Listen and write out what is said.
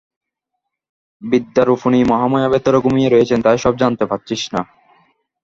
বিদ্যারূপিণী মহামায়া ভেতরে ঘুমিয়ে রয়েছেন, তাই সব জানতে পাচ্ছিস না।